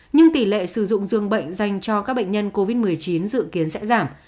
nhưng tỷ lệ sử dụng dường bệnh dành cho các bệnh nhân covid một mươi chín dự kiến sẽ giảm